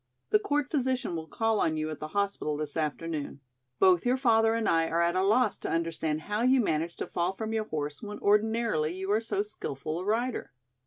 The court physician will call on you at the hospital this afternoon. Both your father and I are at a loss to understand how you managed to fall from your horse when ordinarily you are so skilful a rider."